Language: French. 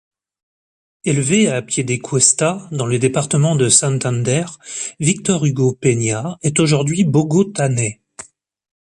Élevé à Piedecuesta, dans le département de Santander, Víctor Hugo Peña est aujourd'hui Bogotanais.